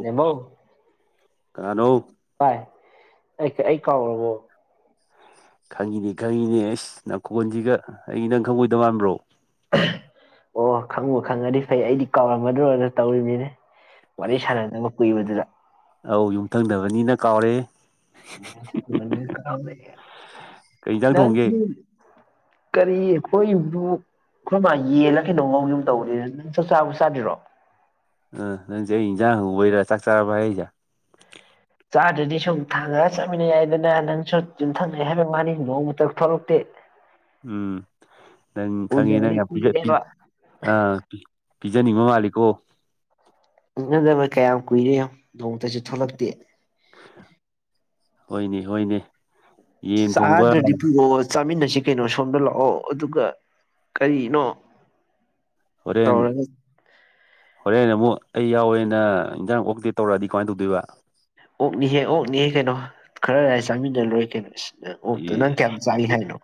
ꯅꯕꯧ ꯀꯅꯣ ꯚ ꯑꯩ ꯑꯩ ꯀꯥꯎꯔꯕꯔꯕꯣ ꯈꯪꯉꯤꯅꯦ ꯈꯪꯉꯤꯅꯦ ꯑꯦꯁ ꯅꯈꯀꯣꯟꯁꯤꯒ ꯑꯩꯒꯤ ꯅꯪ ꯈꯪꯉꯣꯏꯗꯧ ꯃꯥꯟꯕ꯭ꯔꯣ ꯑꯣ ꯈꯪꯉꯨ ꯈꯪꯉꯗꯤ ꯐꯩ ꯑꯩꯗꯤ ꯀꯥꯎꯔꯝꯃꯗ꯭ꯔꯣꯅ ꯇꯧꯔꯤꯕꯅꯤꯅꯦ ꯋꯥꯔꯤ ꯁꯥꯟꯅꯅꯕ ꯀꯨꯏꯕꯗꯨꯗ ꯑꯧ ꯌꯨꯝꯊꯪꯗꯕꯅꯤꯅ ꯀꯥꯎꯔꯦ ꯀꯩ ꯏꯟꯖꯥꯡ ꯊꯣꯡꯒꯦ ꯔꯤ ꯍꯣꯏ ꯏꯕꯨ ꯈꯔ ꯃꯥ ꯌꯦꯜꯂ ꯀꯩꯅꯧ ꯉꯧꯒꯨꯝ ꯇꯧꯕꯅꯦꯝ ꯆꯥꯛ ꯆꯥꯕꯨ ꯆꯥꯗ꯭ꯔꯣ ꯎ ꯅꯦꯖꯥ ꯍꯕꯔ ꯆꯥꯛ ꯆꯥꯔꯖ ꯀꯥꯔꯗꯗꯤ ꯁꯨꯝ ꯊꯥꯡꯉꯑꯒ ꯆꯠꯃꯤꯟꯅꯩ ꯌꯥꯏꯗꯅ ꯅꯪꯁꯨ ꯆꯨꯝꯊꯛꯅꯩ ꯍꯥꯏꯕ ꯃꯥꯅꯤ ꯍꯤꯡꯗ ꯑꯃꯛꯇꯛ ꯊꯣꯛꯂꯛꯇꯦ ꯎꯝ ꯅꯪ ꯈꯪꯉꯤ ꯎꯗꯕꯗꯤ ꯅꯪꯅꯥ ꯄꯤꯔꯛ ꯄꯤ ꯀꯨꯏꯔꯦꯕ ꯑꯥ ꯄꯤꯖꯅꯤꯡꯕ ꯃꯥꯜꯂꯤꯀꯣ ꯎꯅꯗꯤꯕ ꯀꯌꯥꯝ ꯀꯨꯏꯔꯦ ꯌꯣꯡ ꯅꯣꯡꯃꯇꯁꯨ ꯊꯣꯛꯂꯛꯇꯦ ꯍꯣꯏꯅꯦ ꯍꯣꯏꯅꯦ ꯌꯦꯟ ꯊꯣꯡꯕ ꯁꯥꯗ꯭ꯔ ꯗꯤꯄꯤꯌꯣ ꯆꯥꯃꯤꯟꯅꯁꯤ ꯀꯩꯅꯣ ꯁꯣꯝꯗ ꯂꯥꯛꯑꯣ ꯑꯗꯨꯒ ꯀꯔꯤꯅꯣ ꯍꯣꯔꯦꯟ ꯇꯧꯔꯒ ꯍꯣꯔꯦꯟ ꯑꯃꯨꯛ ꯑꯩ ꯌꯥꯎꯋꯦꯅ ꯏꯟꯖꯥꯡ ꯑꯣꯛꯇꯦ ꯇꯧꯔꯛꯑꯗꯤ ꯀꯃꯥꯏꯅ ꯇꯧꯗꯣꯏꯕ ꯑꯣꯛꯅꯤꯍꯦ ꯑꯣꯛꯅꯤꯍꯦ ꯀꯩꯅꯣ ꯈꯔꯔꯥꯏ ꯆꯥꯃꯤꯟꯅꯔ ꯂꯣꯏ ꯀꯩꯅꯣ ꯑꯁ ꯑꯣꯛꯇ ꯑꯦ ꯅꯪ ꯀꯌꯥꯝ ꯆꯥꯒꯦ ꯍꯥꯏꯅꯣ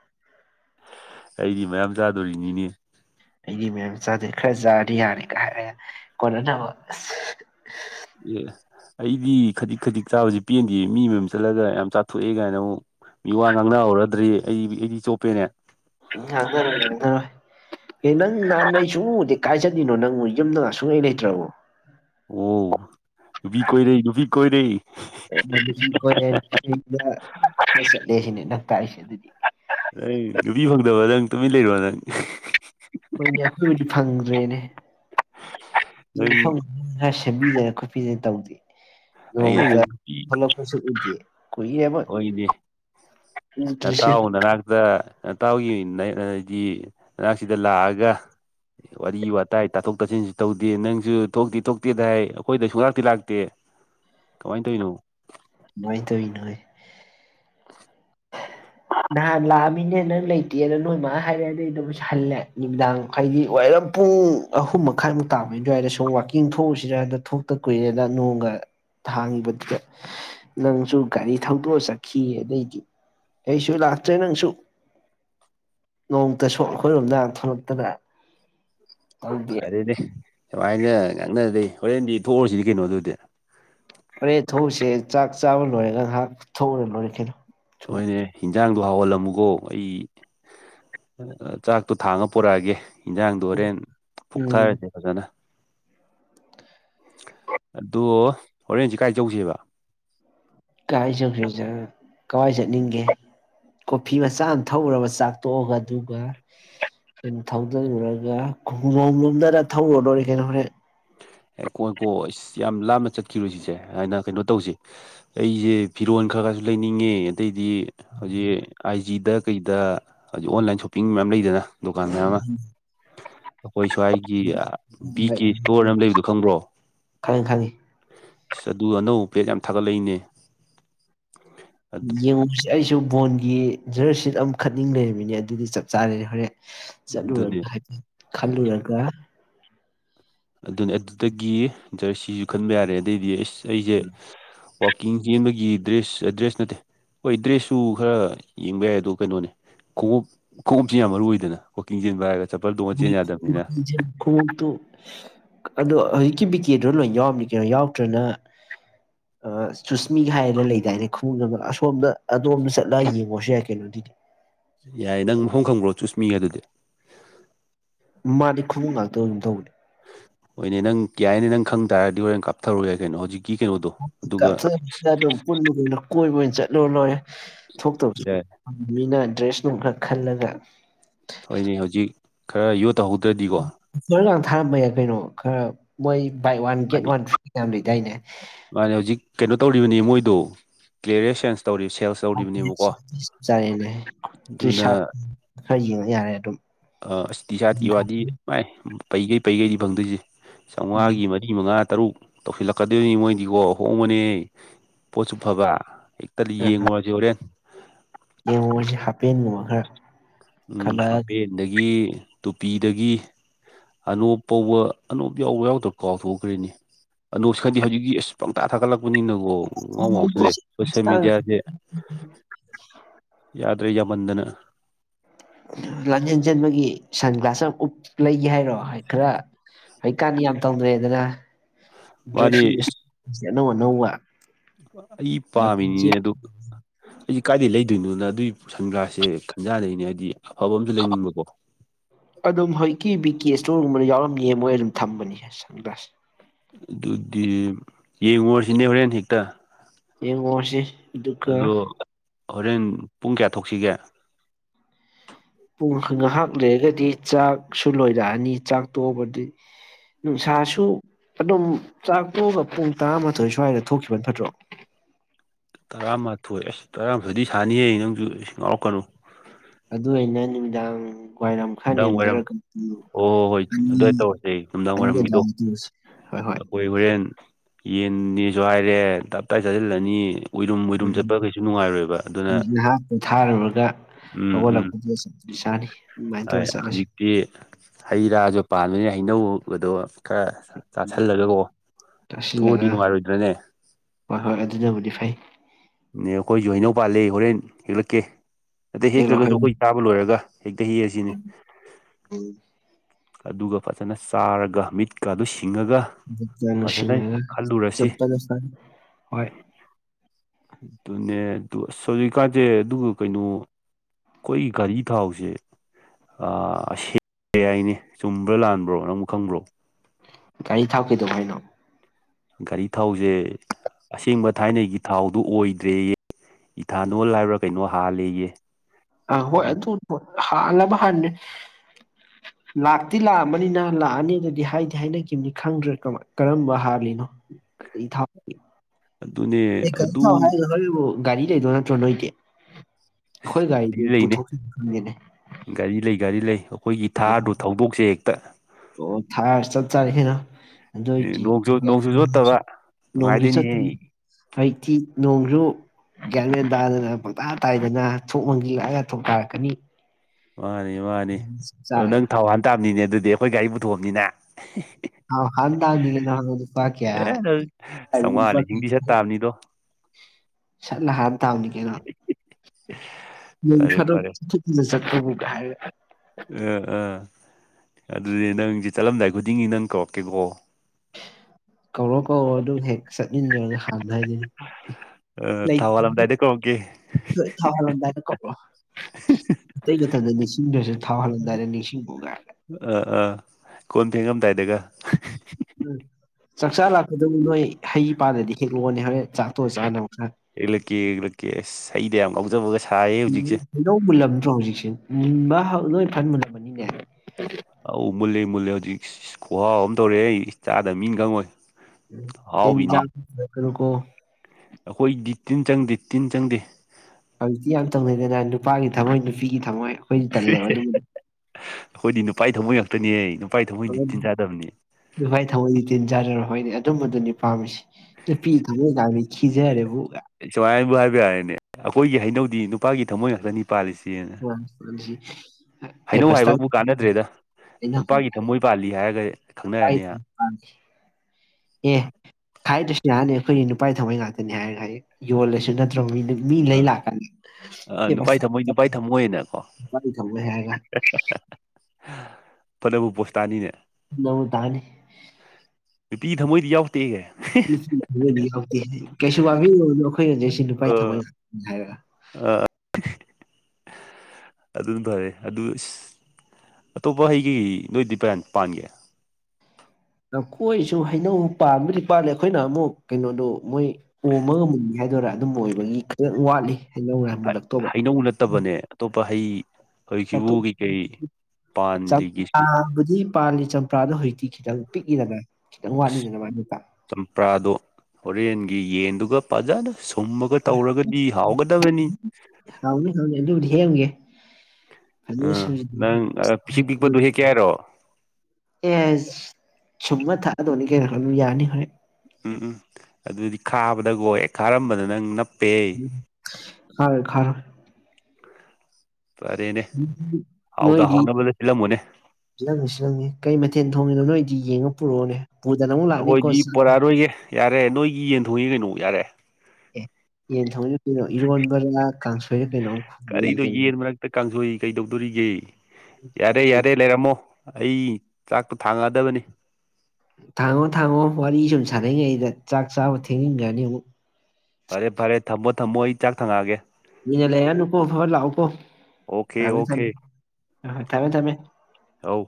ꯑꯩꯗꯤ ꯃꯌꯥꯝ ꯆꯥꯗꯣꯔꯤꯅꯤꯅꯦ ꯑꯩꯗꯤ ꯃꯌꯥꯝ ꯆꯥꯗꯦ ꯈꯔꯆꯥꯔꯗꯤ ꯌꯥꯔꯦ ꯀꯍꯥꯏꯔ ꯀꯣꯟꯅꯗꯕ ꯑꯁ ꯑꯦ ꯑꯩꯗꯤ ꯈꯖꯤꯛ ꯈꯖꯤꯛ ꯆꯥꯕꯁꯤ ꯄꯦꯟꯗꯤꯌꯦ ꯃꯤ ꯃꯌꯨꯝ ꯆꯠꯂꯒ ꯌꯥꯝ ꯆꯥꯊꯣꯛꯑꯦ ꯒꯥꯏꯅ ꯃꯨꯛ ꯃꯤ ꯋꯥ ꯉꯥꯡꯅꯍꯧꯔꯗ꯭ꯔꯤ ꯑꯩꯗꯤ ꯑꯩꯗꯤ ꯆꯣꯞꯄꯦꯅꯦ ꯉꯥꯡꯅꯔꯣꯏ ꯉꯥꯡꯅꯔꯣꯏ ꯑꯦ ꯅꯪ ꯅꯍꯥꯟꯒꯩ ꯁꯨꯛꯎ ꯎꯗꯦ ꯀꯥꯏꯆꯠꯂꯤꯅꯣ ꯅꯪꯕꯨ ꯌꯨꯝꯗ ꯒ ꯁꯨꯡꯂꯩ ꯂꯩꯇ꯭ꯔꯕꯣ ꯑꯝ ꯑꯟꯏꯟꯇꯦꯜꯂꯤꯖꯦꯕꯜ ꯗ ꯇꯥꯏꯁ ꯑꯗꯨꯤꯗꯤ ꯑꯩ ꯅꯨꯄꯤ ꯀꯣꯏ ꯐꯪꯗꯕ ꯅꯪ ꯇꯨꯃꯤꯟ ꯂꯩꯔꯣ ꯅꯪ ꯍꯣꯏꯅꯦ ꯑꯩꯈꯣꯏꯕꯨꯗꯤ ꯐꯪꯗ꯭ꯔꯦꯅꯦ ꯅꯪ ꯑꯟꯏꯟꯇꯦꯜꯂꯤꯖꯦꯕꯜ ꯁꯦꯝꯕꯤꯗꯅ ꯈꯣꯠꯄꯤꯗꯅ ꯇꯧꯗꯦ ꯑꯩꯅ ꯅꯣꯛꯃꯇ ꯅꯪ ꯅꯨꯄꯤ ꯊꯣꯛꯂꯛꯄꯁꯨ ꯎꯗꯦ ꯀꯨꯏꯔꯦꯕ ꯍꯣꯏꯅꯦ ꯎꯗ꯭ꯔꯤꯁꯦ ꯅꯇꯥꯎ ꯅꯅꯥꯛꯇ ꯅꯇꯥꯎꯒꯤ ꯑꯦ ꯍꯥꯏꯗꯤ ꯃꯅꯥꯛꯁꯤꯗ ꯂꯥꯛꯑꯒ ꯋꯥꯔꯤ ꯋꯥꯇꯥꯏ ꯇꯥꯊꯣꯛ ꯇꯥꯁꯤꯟꯁꯨ ꯇꯧꯗꯦ ꯅꯪꯁꯨ ꯊꯣꯛꯇꯤ ꯊꯣꯛꯇꯦꯗ ꯍꯥꯏ ꯑꯩꯈꯣꯏꯗ ꯁꯨꯡꯂꯥꯛꯇꯤ ꯂꯥꯛꯇꯦ ꯀꯃꯥꯏꯅ ꯇꯧꯔꯤꯅꯣ ꯃꯥꯏꯅ ꯇꯧꯏꫪꯅ‌ꯣꯍ‌ꯦ ꯑꯟꯑꯣꯗꯤꯕꯜ ꯅꯍꯥꯟ ꯂꯥꯛꯑꯝꯃꯤꯅꯦ ꯅꯪ ꯂꯩꯇꯦꯅ ꯅꯣꯏ ꯃꯥ ꯍꯥꯏꯔꯛꯦꯗꯩꯗꯝ ꯍꯜꯂꯦ ꯅꯨꯃꯤꯗꯥꯡ ꯍꯥꯏꯗꯤ ꯋꯥꯔꯝ ꯄꯨꯡ ꯑꯍꯨꯝ ꯃꯈꯥꯏꯃꯨꯛ ꯇꯥꯕ ꯑꯗꯨꯋꯥꯏꯗ ꯁꯣꯝ ꯋꯥꯀꯤꯡ ꯊꯣꯛꯎꯨꯁꯤꯔ ꯍꯗ ꯊꯣꯛꯇ ꯀꯨꯏꯔꯦꯅ ꯅꯣꯡꯒ ꯊꯥꯡꯉꯤꯕꯗꯨꯗ ꯅꯪꯁꯨ ꯒꯥꯔꯤ ꯊꯧꯗꯣꯛꯑ ꯆꯠꯈꯤꯑ ꯑꯗꯩꯗꯤ ꯑꯩꯁꯨ ꯂꯥꯛꯇ꯭ꯔꯦ ꯅꯪꯁꯨ ꯅꯣꯡꯃꯇꯁꯨ ꯑꯩꯈꯣꯏꯔꯣꯝꯗ ꯊꯣꯛꯂꯛꯇꯅ ꯇꯧꯗꯦ ꯐꯔꯦꯅꯦ ꯁꯨꯃꯥꯏꯅ ꯉꯥꯡꯅꯗꯩ ꯍꯣꯔꯦꯟꯗꯤ ꯊꯣꯛꯑꯣꯔꯁꯤꯗꯤ ꯀꯩꯅꯣ ꯑꯗꯨꯗꯤ ꯍꯣꯔꯦ ꯊꯣꯛꯎꯁꯦ ꯆꯥꯛ ꯆꯥꯕ ꯂꯣꯏꯔ ꯉꯥꯏꯍꯥꯛ ꯊꯣꯛꯎꯔ ꯂꯣꯏꯔꯦ ꯀꯩꯅꯣ ꯁꯨꯝ ꯍꯣꯏꯅꯦ ꯏꯟꯖꯥꯡꯗꯣ ꯍꯥꯎꯍꯜꯂꯝꯃꯨꯀꯣ ꯑꯩ ꯆꯥꯛꯇꯣ ꯊꯥꯡꯉ ꯄꯣꯔꯛꯑꯒꯦ ꯌꯦꯟꯖꯥꯡꯗ ꯍꯣꯔꯦꯟ ꯎꯝ ꯐꯨꯛꯊꯔꯁꯦ ꯐꯖꯅ ꯑꯗꯣ ꯍꯣꯔꯦꯟꯁꯤ ꯀꯥꯏ ꯆꯧꯁꯦꯕ ꯀꯥꯏ ꯆꯠꯇꯣꯏ ꯀꯋꯥꯏ ꯆꯠꯅꯤꯡꯒꯦ ꯀꯣꯐꯤ ꯃꯆꯥ ꯑꯝ ꯊꯛꯎꯔꯕ ꯆꯥꯛꯇꯣꯛꯑꯒ ꯑꯗꯨꯒ ꯁꯨꯝ ꯊꯧꯗꯔꯨꯔꯒ ꯈꯣꯡꯖꯣꯝ ꯂꯣꯝꯗꯔ ꯊꯧꯔꯗꯣꯔꯦ ꯀꯩꯅꯣ ꯍꯣꯔꯦꯟ ꯑꯦ ꯉꯥꯏꯈꯣꯉꯥꯏꯈꯣ ꯑꯩꯁ ꯌꯥꯝ ꯂꯥꯞꯅ ꯆꯠꯈꯤꯔꯣꯏ ꯁꯤꯁꯦ ꯑꯅ ꯀꯩꯅꯣ ꯇꯧꯁꯦ ꯑꯩꯁꯦ ꯐꯤꯔꯣꯟ ꯈꯔ ꯈꯔꯁꯨ ꯂꯩꯅꯤꯡꯉꯦ ꯑꯗꯩꯗꯤ ꯍꯧꯖꯤꯛ ꯑꯥꯏꯖꯤꯗ ꯀꯩꯗ ꯍꯧꯖꯤꯛ ꯑꯣꯟꯂꯥꯏꯟ ꯁꯣꯞꯄꯤꯡ ꯃꯌꯥꯝ ꯂꯩꯗꯅ ꯗꯨꯀꯥꯟ ꯃꯌꯥꯝ ꯑꯃ ꯑꯩꯈꯣꯏ ꯁ꯭ꯋꯥꯏꯒꯤ ꯑ ꯕꯤ ꯀꯦ ꯏꯁꯇꯣꯔꯅ ꯑꯃ ꯂꯩꯕꯗꯨꯣ ꯈꯪꯕ꯭ꯔꯣ ꯈꯪꯉꯤ ꯈꯪꯉꯤ ꯑꯗꯨꯒ ꯑꯅꯧ ꯄꯦꯠ ꯌꯥꯝ ꯊꯥꯒꯠꯂꯛꯏꯅꯦ ꯑꯗꯨ ꯌꯦ ꯁꯨ ꯕꯣꯟꯒꯤ ꯖꯔꯁꯤꯠ ꯑꯃ ꯈꯠꯅꯤꯡ ꯂꯩꯃꯤꯅꯦ ꯑꯗꯨꯗꯤ ꯆꯞ ꯆꯥꯔꯦ ꯍꯣꯔꯦꯟ ꯑꯗꯨꯅꯦ ꯆꯠꯂꯨꯔꯒ ꯍꯥꯏ ꯈꯜꯂꯨꯔꯒ ꯑꯗꯨꯅꯤ ꯑꯗꯨꯗꯒꯤ ꯖꯔꯁꯤꯁꯨ ꯈꯟꯕ ꯌꯥꯔꯦ ꯑꯗꯩꯗꯤ ꯑꯩꯁ ꯑꯩꯁꯦ ꯋꯥꯛꯀꯤꯡ ꯆꯦꯟꯕꯒꯤ ꯗ꯭ꯔꯦꯁ ꯗ꯭ꯔꯦꯁ ꯅꯠꯇꯦ ꯍꯣꯏ ꯗ꯭ꯔꯦꯁꯁꯨ ꯈꯔ ꯌꯦꯡꯕ ꯌꯥꯏ ꯑꯗ ꯀꯩꯅꯣꯅꯦ ꯈꯣꯡꯎꯞ ꯈꯣꯡꯎꯞꯁꯤꯦ ꯌꯥꯝ ꯃꯔꯨ ꯑꯣꯏꯗꯅ ꯋꯥꯛꯀꯤꯡ ꯆꯦꯟꯕ ꯍꯥꯏꯔꯒ ꯆꯄꯜ ꯇꯣꯡꯉ ꯆꯦꯟ ꯌꯥꯗꯕꯅꯤꯅ [inaudible] ꯑꯗꯣ ꯍꯧꯖꯤꯛꯀꯤ ꯕꯤꯀꯦꯗꯨꯣ ꯂꯣꯏ ꯌꯥꯎꯔꯝꯅꯤ ꯀꯩꯅꯣ ꯌꯥꯎꯗ꯭ꯔꯅ ꯁꯨꯁꯃꯤ ꯍꯥꯏꯔꯒ ꯂꯩꯗꯥꯏꯅꯦ ꯈꯃꯪ ꯑꯁꯣꯝꯗ ꯑꯗꯣꯝꯗ ꯆꯠꯂꯒ ꯌꯦꯡꯉꯨꯔꯁꯨ ꯌꯥꯏ ꯀꯩꯅꯣꯗꯨꯗꯤ ꯌꯥꯏꯌꯦ ꯅꯪ ꯃꯐꯝ ꯈꯪꯕ꯭ꯔꯣ ꯆꯨꯁꯃꯤꯌꯦꯦ ꯑꯗꯨꯗꯤ ꯃꯥꯗꯤ ꯈꯃ ꯉꯥꯛꯇ ꯑꯗꯨꯝ ꯇꯧꯕꯅꯦ ꯍꯣꯏꯅꯦ ꯅꯪ ꯀꯌꯥꯅꯦ ꯅꯪ ꯈꯪ ꯇꯥꯔꯗꯤ ꯍꯣꯔꯦꯟ ꯀꯥꯞꯊꯔꯨ ꯌꯥꯏ ꯀꯩꯅꯣ ꯍꯧꯖꯤꯛ ꯄꯨꯟ ꯂ ꯀꯣꯏꯕ ꯑꯣꯏꯅ ꯆꯠꯂꯨꯔ ꯂꯣꯏꯔꯦ ꯌꯥꯏ ꯊꯣꯛꯇꯕꯁꯨꯪꯕꯅꯤꯅ ꯑꯦ ꯗ꯭ꯔꯦꯁ ꯅꯨꯡꯈꯛ ꯈꯜꯂꯒ ꯍꯣꯏꯅꯦ ꯍꯧꯖꯤꯛ ꯈꯔ ꯌꯨꯠ ꯇꯧꯍꯧꯗ꯭ꯔꯗꯤꯀꯣ ꯑꯣꯐꯔꯒ ꯊꯥꯔꯝꯕ ꯌꯥꯏ ꯀꯩꯅꯣ ꯈꯔ ꯃꯣꯏ ꯏ ꯋꯥꯟ ꯦꯠ ꯃꯥꯅꯤ ꯋꯥꯟ ꯐ ꯌꯥꯏꯅꯦ ꯃꯥꯅꯦ ꯍꯧꯖꯤꯛ ꯀꯩꯅꯣ ꯇꯧꯔꯤꯕꯅꯤ ꯃꯣꯏꯗꯣ ꯀ꯭ꯂꯤꯌꯥꯔꯦ ꯁꯦꯟꯁ ꯇꯧꯔꯤꯕ ꯁꯦꯜꯁ ꯇꯧꯔꯤꯕꯅꯦꯕꯀꯣ ꯆꯥꯔꯦꯅꯦ ꯇ꯭ꯔꯤ ꯑꯗꯨꯅ ꯁꯥꯔꯠ ꯈꯔ ꯌꯦꯡꯉ ꯌꯥꯔꯦ ꯑꯗꯨꯝ ꯑꯁꯤꯇꯤ ꯁꯥꯥꯇꯀꯤ ꯋꯥꯗꯤ ꯃꯥꯏ ꯄꯩꯈꯩ ꯄꯩꯈꯩꯗꯤ ꯗꯨꯒꯤ ꯆꯥꯝꯃꯉꯥꯒꯤ ꯃꯔꯤ ꯃꯉꯥ ꯇꯔꯨꯛ ꯇꯧꯁꯤꯜꯂꯛꯀꯗꯣꯏꯅꯤ ꯃꯣꯏ ꯒꯣ ꯍꯣ ꯃꯅꯅꯦ ꯄꯣꯠꯁꯨ ꯐꯕ ꯍꯦꯛꯇ ꯌꯦꯡꯉꯨꯔꯁꯤ ꯍꯣꯔꯦꯟ ꯍꯥꯄꯤꯉ ꯈꯔ ꯎꯝ ꯈꯜꯂ ꯍꯥꯄꯦꯟꯗꯒꯤ ꯇꯨꯄꯤꯗꯒꯤ ꯑꯅꯣꯞꯄ ꯑꯅꯣꯞ ꯌꯥꯎꯕ ꯌꯥꯎꯗꯕ ꯀꯥꯎꯊꯣꯛꯈ꯭ꯔꯦꯅꯤ ꯑꯅꯧꯞ ꯈꯗꯤ ꯍꯧꯖꯤꯛꯀꯤ ꯑꯁ ꯄꯪꯇꯥ ꯊꯥꯠꯂꯛꯄ ꯃꯅꯤꯅꯕꯨ ꯉꯥꯎ ꯉꯥꯎꯁꯤꯜꯂ ꯁꯣꯁꯤꯌꯦꯦꯜ ꯃꯦꯗꯤꯌꯥꯁꯦ ꯌꯥꯗ꯭ꯔꯦ ꯌꯥꯝ ꯃꯟꯗꯅ ꯂꯥꯟꯖꯦꯟ ꯆꯦꯟꯕꯒꯤ ꯁꯟ ꯒ꯭ꯂꯥꯁ ꯑꯃ ꯎꯞ ꯂꯩꯒꯦ ꯍꯥꯏꯔꯣ ꯈꯔ ꯍꯩ ꯀꯅꯤ ꯌꯥꯝ ꯇꯧꯗ꯭ꯔꯑꯦꯗꯅ ꯗ꯭ꯔ ꯃꯥꯅꯦ ꯑꯁ [unintelligible] ꯑꯅꯧ ꯑꯅꯧꯕꯥ ꯑꯩ ꯄꯥꯝꯃꯤꯅꯤꯅꯦ ꯑꯗꯨ ꯑꯩꯖꯦ ꯀꯥꯏꯗꯩ ꯂꯩꯗꯣꯏꯅꯣꯅ ꯑꯗꯨꯏ ꯁꯟꯒ꯭ꯜꯁꯦ ꯈꯟꯖꯥꯅꯩꯅꯦ ꯍꯥꯏꯗꯤ ꯑꯐꯕ ꯑꯝꯁꯨ ꯂꯩꯅꯤꯡꯕꯀꯣ ꯑꯗꯨꯝ ꯍꯧꯖꯤꯛꯀꯤ ꯕꯤ ꯀꯦ ꯏꯁꯇꯣꯔꯒꯨꯝꯕꯗ ꯌꯥꯎꯔꯝꯅꯤꯌꯦ ꯃꯣꯏ ꯑꯗꯨꯝ ꯊꯝꯕꯅꯤ ꯁꯟ ꯒ꯭ꯂꯥꯁ ꯑꯗꯨꯗꯤ ꯌꯦꯡꯉꯨꯔꯁꯤꯅꯦ ꯍꯣꯔꯦꯟ ꯍꯦꯛꯇ ꯌꯦꯡꯉꯣꯔ꯭ꯁꯤ ꯑꯗꯨꯒ ꯑꯗꯣ ꯍꯣꯔꯦꯟ ꯄꯨꯡ ꯀꯌꯥ ꯊꯣꯛꯁꯤꯒꯦ ꯄꯨꯡ ꯉꯥꯍꯥꯛ ꯂꯩꯔꯒꯗꯤ ꯆꯥꯛꯁꯨ ꯂꯣꯏꯔꯛꯑꯅꯤ ꯆꯥꯛ ꯇꯣꯛꯑꯕꯗꯤ ꯅꯨꯡꯁꯥꯁꯨ ꯑꯗꯨꯝ ꯆꯥꯛ ꯇꯣꯛꯑꯒ ꯄꯨꯡ ꯇꯔꯥꯃꯥꯊꯣꯏ ꯁ꯭ꯋꯥꯏꯗ ꯊꯣꯛꯈꯤꯕꯅ ꯐꯠꯇ꯭ꯔꯣ ꯇꯔꯥꯃꯥꯊꯣꯏ ꯑꯁ ꯇꯔꯥꯃꯥꯊꯣꯏꯗꯤ ꯁꯥꯅꯤꯌꯦ ꯅꯪꯁꯨ ꯉꯥꯎꯔꯛꯀꯅꯨ ꯑꯗꯨ ꯑꯩꯅ ꯅꯨꯃꯤꯗꯥꯡ ꯋꯥꯏꯔꯝ ꯈꯔ ꯅꯨꯡꯗꯥꯡ ꯋꯥꯏꯔꯝ ꯅꯦꯝꯊꯔꯒꯗꯤ ꯑꯣ ꯍꯣꯏ ꯑꯗꯨꯋꯥꯏ ꯑꯅꯤ ꯇꯧꯔꯁꯦ ꯅꯨꯡꯗꯥꯡ ꯑꯅꯤ ꯋꯥꯏꯔꯝꯒꯤꯗꯣ ꯑꯗꯨꯋꯥꯏꯗ ꯇꯧꯔꯁꯤ ꯍꯣꯏ ꯍꯣꯏ ꯑꯩꯈꯣꯏ ꯍꯣꯔꯦꯟ ꯌꯦꯟꯅꯤꯁꯨ ꯍꯥꯏꯔꯦ ꯇꯞ ꯇꯥꯏ ꯆꯥꯁꯤꯜꯂꯅꯤ ꯎꯏꯔꯨꯝ ꯎꯏꯔꯨꯝ ꯆꯠꯄ ꯀꯩꯁꯨ ꯅꯨꯡꯉꯥꯏꯔꯣꯏꯕ ꯑꯗꯨꯅ ꯎꯝ ꯅꯍꯥꯛꯄꯨ ꯊꯥꯔꯨꯔꯒ ꯎꯝ ꯎꯝ ꯍꯧꯒꯠꯂꯛꯄꯗꯁꯨ ꯄꯩꯁꯥꯅꯤ ꯑꯗꯨꯃꯥꯏꯅ ꯍꯣꯏ ꯇꯧꯔ ꯆꯠꯂꯁꯤ ꯍꯧꯖꯤꯛꯇꯤ ꯍꯩ ꯔꯥꯁꯨ ꯄꯥꯝꯃꯤꯅꯤ ꯅꯧ ꯑꯗꯣ ꯈꯔ ꯆꯥꯥꯁꯜꯂꯒꯀꯣ ꯊꯣꯛꯑꯗꯤ ꯆꯥꯁꯤꯜꯂꯒ ꯅꯨꯡꯉꯥꯏꯔꯣꯏꯗ꯭ꯔꯅꯦ ꯍꯣꯏ ꯍꯣꯏ ꯑꯗꯨꯅꯕꯨꯗꯤ ꯐꯩ ꯅꯦ ꯑꯩꯈꯣꯏꯁꯨ ꯍꯩꯅꯧ ꯄꯥꯜꯂꯦ ꯍꯣꯔꯦꯟ ꯍꯦꯛꯂꯛꯀꯦ ꯑꯇꯩ ꯍꯦꯛꯂꯥꯎ ꯍꯦꯛꯇ꯭ꯔꯒꯁꯨ ꯍꯩꯂꯥꯎ ꯑꯩꯈꯣꯏ ꯆꯥꯕ ꯂꯣꯏꯔꯒ ꯍꯦꯛꯇ ꯍꯦꯛꯑ ꯁꯤꯅꯤ ꯑꯗꯨꯒ ꯐꯖꯅ ꯆꯥꯔꯒ ꯃꯤꯠꯀꯗꯨ ꯁꯤꯡ ꯁꯤꯡꯉꯒꯥ ꯈꯜꯂꯨꯔꯁꯤ ꯆꯠꯄꯅ ꯐꯥꯅꯤ ꯑꯗꯨꯅꯦ ꯑꯗꯨ ꯑꯁ ꯍꯧꯖꯤꯛꯀꯥꯟꯁꯦ ꯑꯗꯨꯒ ꯀꯩꯅꯣ ꯑꯩꯈꯣꯏꯒꯤ ꯒꯥꯔꯤ ꯊꯥꯎꯁꯦ [unintelligible] ꯍꯥꯏꯅꯦ ꯆꯨꯝꯕ꯭ꯔꯥ ꯂꯥꯟꯕ꯭ꯔꯣ ꯅꯪ ꯈꯪꯕ꯭ꯔꯣ ꯒꯥꯔꯤ ꯊꯥꯎꯈꯤꯗꯧ ꯍꯥꯏꯅꯣ ꯒꯥꯔꯤ ꯊꯥꯎꯁꯦ ꯑꯁꯦꯡꯕ ꯊꯥꯏꯅꯒꯤ ꯊꯥꯎꯗꯨ ꯑꯣꯏꯗ꯭ꯔꯦꯌꯦ ꯏꯊꯥꯅꯣꯜ ꯍꯥꯏꯕ꯭ꯔꯥ ꯀꯩꯅꯣ ꯍꯥꯜꯂꯦꯌꯦ ꯑ ꯍꯣꯏ ꯍꯥꯏꯗꯤ ꯑꯗꯨ ꯍꯥꯥꯟꯂꯕ [unintelligible] ꯂꯥꯛꯇꯤ ꯂꯥꯛꯑꯕꯅꯤꯅ ꯂꯥꯛꯑꯅꯤꯗꯗꯤ ꯍꯥꯏꯗꯤ ꯍꯥꯏꯅꯈꯤꯕꯅꯤ ꯈꯪꯗ꯭ꯔꯦ ꯀꯔꯝꯕ ꯍꯥꯜꯂꯤꯅꯣ ꯑꯗꯨꯅꯦ ꯑꯩ ꯒꯥꯔꯤ ꯑꯗꯨ ꯊꯥꯎ ꯍꯥꯏꯔꯒꯥ [unintelligible] ꯒꯥꯔꯤ ꯂꯩꯗꯣꯏ ꯅꯠꯇ꯭ꯔꯣ ꯅꯣꯏꯒꯤ ꯑꯩꯈꯣꯏ ꯒꯥꯔꯤꯗꯨ ꯂꯩꯅꯦ ꯄꯨꯊꯣꯛꯈꯤꯕ ꯈꯪꯗꯦꯅꯦ ꯒꯥꯔꯤ ꯂꯩ ꯒꯥꯔꯤ ꯂꯩ ꯑꯩꯈꯣꯏꯒꯤ ꯊꯥꯔꯗꯨ ꯊꯧꯗꯣꯛꯁꯦ ꯍꯦꯛꯇ ꯑꯣ ꯊꯥꯔ ꯆꯞ ꯆꯥꯔꯦꯍꯦ ꯑꯗꯨꯏꯗꯤ ꯅꯣꯡꯁꯨ ꯅꯣꯡꯁꯨ ꯆꯣꯠꯇꯕ ꯅꯣꯡꯁꯨ ꯅꯨꯡꯉꯥꯏꯗꯣꯏꯅꯤꯍꯦ [unintelligible] ꯊꯤ ꯅꯣꯡ ꯗꯨ ꯒꯌꯥꯡ ꯃꯦꯟ ꯇꯥꯗꯅ ꯄꯪꯇꯥ ꯇꯥꯏꯗꯅ ꯊꯣꯛ ꯃꯪꯒꯤ ꯂꯥꯛꯑꯒ ꯊꯣꯛ ꯇꯥꯔꯛꯀꯅꯤ ꯃꯥꯅꯤ ꯃꯥꯅꯤ ꯆꯞ ꯑꯗꯨ ꯆꯥꯔꯦ ꯅꯪ ꯊꯥꯎ ꯍꯟ ꯇꯕꯅꯤꯅꯦ ꯑꯗꯨꯗꯤ ꯑꯩꯈꯣꯏ ꯒꯥꯔꯤ ꯄꯨꯊꯣꯛꯑ ꯕꯅꯤꯅ ꯑ ꯍꯥꯟ ꯇꯥꯡꯅꯤꯡꯒꯦꯅꯣ ꯂꯨꯄꯥ ꯀꯌꯥ ꯑꯦ ꯅꯪ ꯆꯥꯝꯃꯉꯥ ꯂꯤꯁꯤꯡꯗꯤ ꯁꯠ [unintelligible] ꯇꯥꯕꯅꯤꯗꯣ ꯆꯠꯂ ꯍꯥꯟ ꯇꯥꯡꯅꯤꯒꯦꯅꯣ ꯅꯣꯡ ꯐꯔꯦ ꯐꯥꯗꯣꯛ ꯐꯔꯦ ꯊꯤꯛꯅ ꯆꯠꯄꯕꯨ [unintelligible] ꯑꯥ ꯑꯥ ꯑꯗꯨꯗꯤ ꯅꯪꯁꯦ ꯆꯠꯂꯝꯗꯥꯏ ꯈꯨꯗꯤꯡꯒꯤ ꯅꯪ ꯀꯧꯔꯛꯀꯦꯀꯣ ꯀꯧꯔꯣ ꯀꯧꯔꯣ ꯑꯗꯨ ꯍꯦꯛ ꯆꯠꯃꯤꯟꯅꯔꯒ ꯗꯥꯏ ꯑꯥ ꯊꯥꯎ ꯍꯥꯜꯂꯝꯗꯥꯏꯗ ꯀꯧꯔꯛꯀꯦ ꯂꯩꯇ ꯊꯥꯎ ꯍꯜꯂꯝꯗꯥꯏꯗ ꯀꯛꯂꯣ ꯑꯇꯩ ꯃꯇꯝꯗ ꯅꯤꯡꯁꯤꯡꯕꯤꯗ꯭ꯔꯁꯨ ꯊꯥꯎ ꯍꯜꯂꯝꯗꯥꯏꯗ ꯅꯤꯡꯁꯤꯡꯉꯨ ꯀꯥꯏꯅ ꯑꯥ ꯑꯥ ꯀꯣꯟ ꯐꯦꯡꯉꯝꯗꯥꯏꯗꯒ ꯎꯝ ꯆꯥꯛꯆꯥ ꯂꯥꯛꯄꯗꯕꯨ ꯅꯣꯏ ꯍꯩ ꯄꯥꯜꯂꯗꯤ ꯍꯦꯛ ꯂꯛꯑꯣꯅꯦ ꯍꯣꯔꯦꯟ ꯆꯥꯛ ꯇꯣꯛ ꯆꯥꯅꯕ ꯈꯔ ꯍꯦꯂꯛꯀꯦ ꯍꯦꯂꯛ ꯀꯦꯁ ꯍꯩ ꯗ ꯌꯥꯝ ꯉꯥꯎꯖꯕꯒ ꯁꯥꯏꯌꯦ ꯍꯧꯖꯤꯛꯁꯦ ꯍꯩꯅꯧ ꯃꯨꯜꯂꯝꯗ꯭ꯔꯣ ꯍꯧꯖꯤꯛꯁꯦ ꯃꯨꯟꯕ ꯍꯧ ꯂꯣꯏ ꯐꯟ ꯃꯨꯟꯅꯕꯅꯤꯅꯦ ꯑꯧ ꯃꯨꯂꯦ ꯃꯨꯜꯂꯦ ꯍꯧꯖꯤꯛ ꯈꯨꯍꯥꯎ ꯑꯃ ꯇꯧꯔꯦ ꯆꯥꯗ ꯃꯤꯅ ꯈꯪꯉꯣꯏ ꯑꯍꯥꯎꯕꯤꯅꯤ [inaudible] ꯔꯨꯀꯣ ꯑꯩꯈꯣꯏꯗꯤ ꯇꯤꯟ ꯆꯪꯗꯦ ꯇꯤꯟ ꯆꯪꯗꯦ ꯍꯧꯖꯤꯛꯇꯤ ꯌꯥꯝ ꯇꯧꯅꯔꯦꯗꯅ ꯅꯨꯄꯥꯒꯤ ꯊꯃꯣꯏ ꯅꯨꯄꯤꯒꯤ ꯊꯃꯣꯏ ꯑꯩꯈꯣꯏꯗꯤ ꯇꯜꯂꯦꯕ ꯑꯗꯨꯝꯕꯗꯣ ꯑꯩꯈꯣꯏꯗꯤ ꯅꯨꯄꯥ ꯊꯝꯃꯣꯏ ꯉꯥꯛꯇꯅꯦ ꯅꯨꯄꯥ ꯊꯝꯃꯣꯏꯗꯤ ꯇꯤꯟ ꯆꯥꯗꯕꯅꯤ ꯅꯨꯄꯥꯏ ꯊꯃꯣꯏꯗꯤ ꯇꯤꯟ ꯆꯥꯖꯔꯣꯏ ꯍꯣꯏꯅꯦ ꯑꯗꯨꯝꯕꯗꯨꯅꯤ ꯄꯥꯝꯃꯤꯁꯤ ꯅꯨꯄꯤ ꯊꯃꯣꯏ ꯀꯥꯏꯗꯤ ꯈꯤꯖꯔꯦꯕꯨ ꯁꯃꯥꯏꯕꯨ ꯍꯥꯏꯕ ꯌꯥꯔꯦꯅꯦ ꯑꯩꯈꯣꯏꯒꯤ ꯍꯩꯅꯧꯗꯤ ꯅꯨꯄꯥꯒꯤ ꯊꯃꯣꯏ ꯉꯥꯛꯇꯅꯤ ꯄꯥꯜꯂꯤꯁꯤꯅ [inaudible] [inaudible] ꯍꯩꯅꯧ ꯄꯁꯇꯥ ꯍꯥꯏꯕꯕꯨ ꯀꯥꯟꯅꯗ꯭ꯔꯦꯗ ꯅꯨꯄꯥꯒꯤ ꯊꯃꯣꯏ ꯄꯥꯜꯂꯤ ꯍꯥꯏꯔꯒ ꯈꯪꯅꯔꯅꯤ ꯑ [inaudible] ꯃꯅꯦ ꯑꯩꯈꯣꯏꯒꯤ ꯅꯨꯄꯥꯒꯤ ꯊꯝꯃꯩ ꯉꯥꯛꯇꯅꯤ ꯍꯥꯏꯔ ꯍꯥꯏ ꯌꯣꯂꯁꯨ ꯅꯠꯇ꯭ꯔ ꯑ ꯅꯨꯄꯥꯒꯤ ꯊꯃꯣꯏ ꯅꯨꯄꯥꯒꯤ ꯊꯝꯃꯣꯏꯅꯀꯣ [inaudible] ꯐꯅꯕꯨ ꯄꯣꯁꯇꯥꯅꯤꯅꯦ ꯅꯧ ꯇꯅꯤ ꯅꯨꯄꯤ ꯊꯃꯣꯏꯗꯤ ꯌꯥꯎꯇꯦꯌꯦ ꯌꯥꯎꯦ ꯀꯩꯁꯨ ꯋꯥꯕꯤꯅꯣ ꯑꯩꯈꯣꯏ ꯍꯧꯖꯤ ꯁꯤ ꯅꯨꯄꯥ ꯊꯝꯃꯣꯏ ꯑ ꯌꯥ ꯍꯥꯏꯔꯒ ꯑꯗꯨꯅ ꯐꯔꯦ ꯑꯗꯨ ꯏꫯꯁ ꯑꯇꯣꯞꯄ ꯍꯩꯒꯤ ꯅꯣꯏꯗꯤ ꯄꯟ ꯄꯥꯟꯒꯦ ꯅꯈꯣꯏꯁꯨ ꯍꯩꯅꯧ ꯄꯥꯟꯕꯗꯤ ꯄꯥꯂ ꯑꯩꯈꯣꯏꯅ ꯑꯃꯨꯛ ꯀꯩꯅꯣꯗꯣ ꯃꯣꯏ ꯑꯣꯃꯒ ꯃꯨꯟꯒ‌ꯦ ꯍꯥꯏꯗꯣꯏꯔꯥ ꯑꯗꯨꯝꯕ ꯑꯣꯏꯕꯒꯤ ꯈꯤꯇ ꯋꯥꯠꯂꯤ ꯍꯩꯅꯧꯅ ꯃꯨꯜꯂꯛꯇꯧꯕ ꯍꯩꯅꯧ ꯅꯠꯇꯕꯅꯦ ꯑꯇꯣꯞꯄ ꯍꯩ ꯕꯨ ꯍꯧꯖꯤꯛꯁꯤꯕꯨ ꯀꯩꯀꯩ ꯄꯥ ꯆ ꯄꯥꯟꯂꯤꯒꯦꯁꯤꯅꯤ [unintelligible] ꯄ꯭ꯔꯥ ꯍꯣꯖꯛꯇꯤ ꯈꯤꯇꯪ ꯄꯤꯛꯏꯗꯅ ꯈꯤꯇꯪ ꯑꯁ ꯋꯥꯠꯂꯤꯗꯅ ꯃꯥꯒꯤ ꯆꯝꯄ꯭ꯔꯥꯗꯣ ꯍꯣꯔꯦꯟꯒꯤ ꯌꯦꯟ ꯑꯗꯨꯒ ꯐꯖꯅꯥ ꯁꯨꯝꯃꯒ ꯇꯧꯔꯒꯗꯤ ꯍꯥꯎꯒꯗꯕꯅꯤ ꯍꯥꯎꯅꯤ ꯑꯥ ꯅꯪ ꯑꯥ ꯄꯤꯁꯤꯛ ꯄꯤꯛꯄꯗꯨ ꯍꯦꯛꯀꯦ ꯍꯥꯏꯔꯣ ꯑꯦꯁ ꯁꯨꯝꯃ ꯊꯛꯑꯗꯧꯅꯤ ꯀꯩꯅꯣ ꯑꯗꯨ ꯌꯥꯅꯤ ꯍꯣꯔꯦꯟ ꯎꯝ ꯎꯝ ꯑꯗꯨꯗꯤ ꯈꯥꯕꯗ ꯀꯣ ꯍꯛ ꯈꯥꯔꯝꯕꯗ ꯅꯪ ꯅꯞ ꯈꯔ‌ꫭꯏ ꯈꯔꫭꯏ ꯐꯔꯦꯅꯦ ꯍꯥꯎꯗ ꯍꯥꯎꯅꯕꯗ ꯁꯤꯜꯂꯝꯃꯣꯅꯦ ꯅꯣꯏꯗꯤꯪꯉ ꯁꯤ ꯂꯪꯉꯤ ꯀꯔꯤ ꯃꯊꯦꯜ ꯊꯣꯡꯉ [unintelligible] ꯑꯗ‌ꫭ ꯅꯣꯏꯗꯤ ꯌꯦꯡꯉ ꯄꯨꯔꯛꯑꯣꯅꯦ ꯄꯨꯗꯅ ꯑꯃꯨꯛ ꯂꯥꯛꯅꯤꯀꯣ ꯑꯩꯈꯣꯏꯗꯤ ꯆꯥꯛꯀꯦ ꯄꯨꯔꯛꯑꯔꯣꯏꯒꯦ ꯌꯥꯔꯦ ꯅꯣꯏꯒꯤ ꯌꯦꯟ ꯊꯣꯡꯉꯤ ꯀꯩꯅꯣ ꯌꯥꯔꯦ ꯌꯦꯟ ꯊ‌ꫭꯡꯖꯨ ꯀꯩꯅꯣ ꯏꯔꯟꯕꯔꯥ ꯀꯥꯡꯁꯣꯏꯔ ꯀꯔꯤꯅꯣ ꯀꯩꯅꯣꯥꯝ ꯌꯦꯟ ꯃꯔꯛꯇ ꯀꯥꯡꯁꯣꯏ ꯀꯩꯗꯧꯗꯣꯔꯤꯒꯦ ꯌꯥꯔꯦ ꯌꯥꯔꯦ ꯂꯩꯔꯝꯃꯣ ꯑꯩ ꯆꯥꯛꯇꯣ ꯊꯥꯡꯉꯛꯑꯗꯕꯅꯤ ꯊꯥꯡꯉꯣ ꯊꯥꯡꯉꯣ ꯋꯥꯔꯤ ꯁꯨꯝ ꯁꯥꯟꯅꯉꯩ ꯑꯩꯗ ꯆꯥꯛ ꯆꯥꯕ ꯊꯦꯡꯖꯤꯟꯈ꯭ꯔꯅꯤ ꯑꯃꯨꯛ ꯐꯔꯦ ꯐꯔꯦ ꯊꯝꯃꯣ ꯊꯝꯃꯣ ꯑꯩ ꯆꯥꯛ ꯊꯪꯉꯛꯑꯒꯦ ꯀꯨꯏꯅꯥ ꯂꯩ ꯔꯅꯨ ꯀꯣ ꯐꯕꯠ ꯂꯥꯎꯑꯣ ꯀꯣ ꯑꯣꯀꯦ ꯊꯃꯦ ꯊꯃꯦ ꯑꯣꯀꯦ ꯊꯃꯦ ꯊꯃꯦ ꯑꯧ